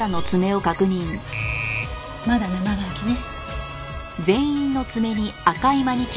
まだ生乾きね。